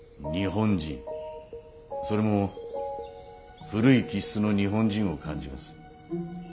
それも古い気質の日本人を感じます。